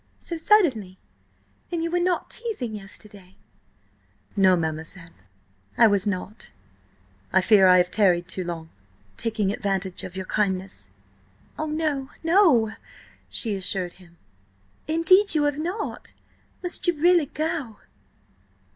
"So suddenly? Then you were not teasing yesterday?" "No, mademoiselle–I was not. I fear I have tarried too long, taking advantage of your kindness." "Oh, no, no!" she assured him. "Indeed, you have not! Must you really go?"